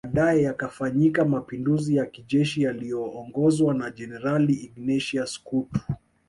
Baadae yakafanyika Mapinduzi ya kijeshi yaliyoongozwa na Jenerali Ignatius Kutu